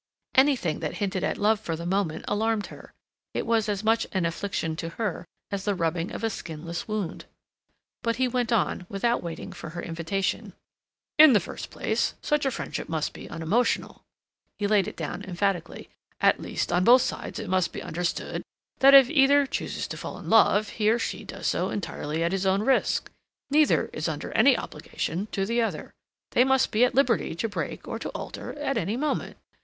Anything that hinted at love for the moment alarmed her; it was as much an infliction to her as the rubbing of a skinless wound. But he went on, without waiting for her invitation. "In the first place, such a friendship must be unemotional," he laid it down emphatically. "At least, on both sides it must be understood that if either chooses to fall in love, he or she does so entirely at his own risk. Neither is under any obligation to the other. They must be at liberty to break or to alter at any moment.